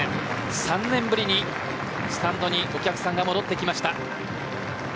３年ぶりにスタンドにお客さんが戻ってきました。